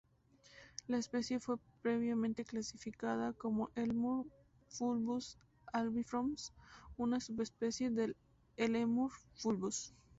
La especie fue previamente clasificada como "Eulemur fulvus albifrons", una subespecie del "Eulemur fulvus".